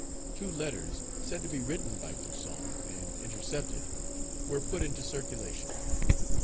Two letters, said to be written by Toussaint, and intercepted, were put into circulation.